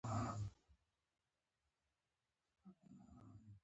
فلم د امید څراغ دی